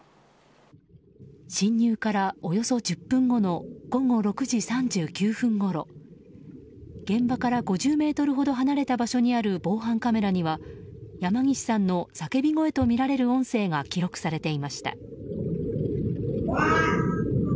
侵入からおよそ１０分後の午後６時３９分ごろ現場から５０ｍほど離れた場所にある防犯カメラには山岸さんの叫び声とみられる音声が記録されていました。